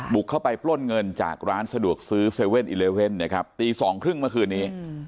บุกเข้าไปปล้นเงินจากร้านสะดวกซื้อ๗๑๑ตี๒๓๐เมื่อคืนนี้